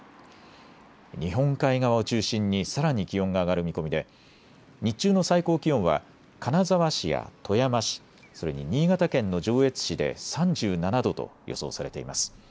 日本海側を中心にさらに気温が上がる見込みで日中の最高気温は金沢市や富山市、それに新潟県の上越市で３７度と予想されています。